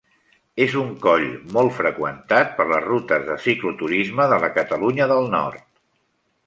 És un coll molt freqüentat per les rutes de cicloturisme de la Catalunya del Nord.